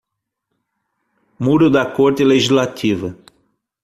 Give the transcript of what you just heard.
Muro da Corte Legislativa